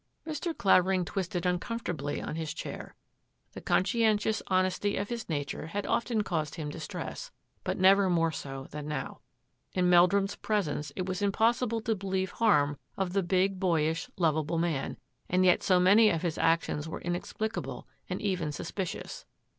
Mr. Clavering twisted uncomfortably on his chair. The conscientious honesty of his nature had often caused him distress, but never more so than now. In Meldrum's presence it was impossible to believe harm of the big, boyish, lovable man, and yet so many of his actions were inexplicable and even suspicious.